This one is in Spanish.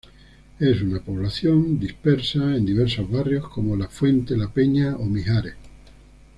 Es una población dispersa en diversos barrios, como La Fuente, La Peña o Mijares.